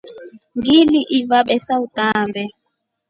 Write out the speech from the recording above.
Ngiliiva besa utaambe.